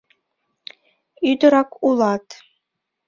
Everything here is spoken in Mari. Ӱдырак улат!